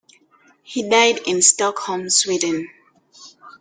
He died in Stockholm, Sweden.